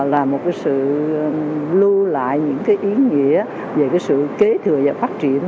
là một cái sự lưu lại những cái ý nghĩa về cái sự kế thừa và phát triển